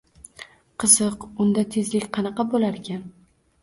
Qiziq, unda tezlik qanaqa bo‘larkan…